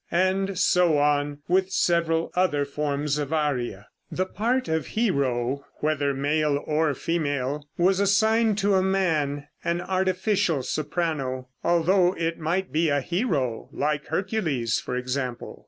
And so on with several other forms of aria. The part of hero, whether male or female, was assigned to a man, an artificial soprano, although it might be a hero like Hercules, for example.